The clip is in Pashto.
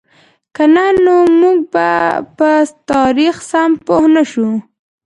که نه نو موږ به په تاریخ سم پوهـ نهشو.